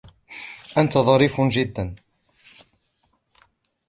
انت ظريف جدا.